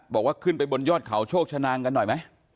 บอกว่าขึ้นไปบนยอดเขาโชคชะนางกันหน่อยไหม